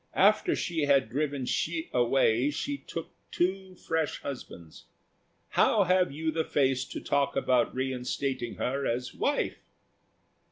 After she had driven Hsi away, she took two fresh husbands. How have you the face to talk about reinstating her as wife?"